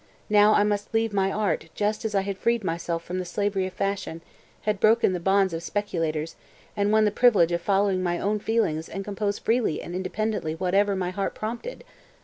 Now I must leave my art just as I had freed myself from the slavery of fashion, had broken the bonds of speculators, and won the privilege of following my own feelings and compose freely and independently whatever my heart prompted!